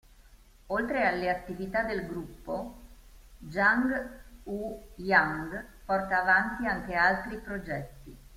Oltre alle attività del gruppo, Jang Woo-young porta avanti anche altri progetti.